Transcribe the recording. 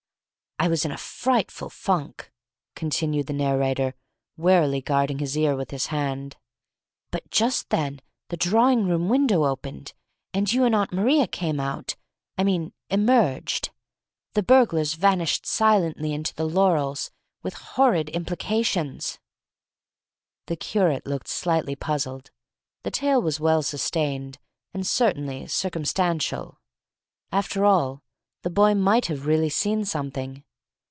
"I was in a frightful funk," continued the narrator, warily guarding his ear with his hand, "but just then the drawing room window opened, and you and Aunt Maria came out I mean emerged. The burglars vanished silently into the laurels, with horrid implications!" The curate looked slightly puzzled. The tale was well sustained, and certainly circumstantial. After all, the boy might have really seen something.